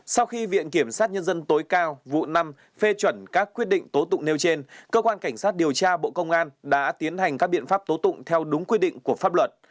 sau khi viện kiểm sát nhân dân tối cao vụ năm phê chuẩn các quyết định tố tụng nêu trên cơ quan cảnh sát điều tra bộ công an đã tiến hành các biện pháp tố tụng theo đúng quy định của pháp luật